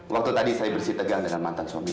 waktu tadi saya bersih tegang dengan mantan suami